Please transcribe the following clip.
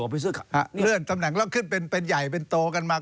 เลื่อนตำแหน่งแล้วขึ้นเป็นใหญ่เป็นโตกันมา